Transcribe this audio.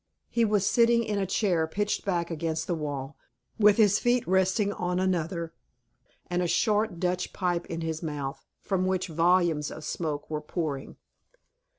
He was sitting in a chair pitched back against the wall, with his feet resting on another, and a short Dutch pipe in his mouth, from which volumes of smoke were pouring.